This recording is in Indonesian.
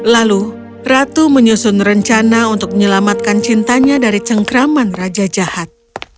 lalu ratu menyusun rencana untuk menyelamatkan cintanya dari cengkraman raja jahat